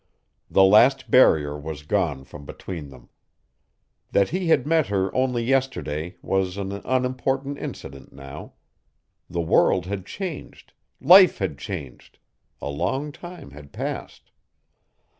The last barrier was gone from between them. That he had met her only yesterday was an unimportant incident now. The world had changed, life had changed, a long time had passed.